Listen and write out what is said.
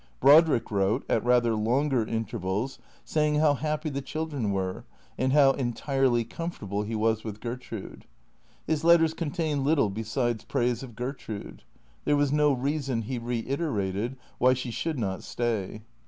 Brodrick wrote (at rather longer in tervals) saying how happy the children were, and how entirely comfortable he was with Gertrude. His letters contained little besides praise of Gertrude. There was no reason, he reiterated, why she should not stay.